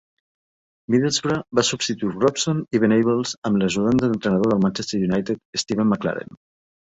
Middlesbrough va substituir Robson i Venables amb l'ajudant de l'entrenador del Manchester United, Steven McClaren.